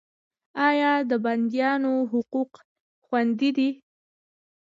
آیا د بندیانو حقوق خوندي دي؟